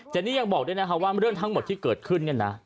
เจนนิยังบอกด้วยนะคะว่าเรื่องทั้งหมดที่เกิดขึ้น